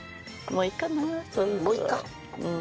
もういいか。